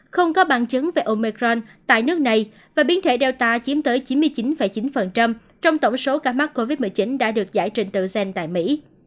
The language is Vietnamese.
không có bằng chứng về omecron tại nước này và biến thể data chiếm tới chín mươi chín chín trong tổng số ca mắc covid một mươi chín đã được giải trình tự gen tại mỹ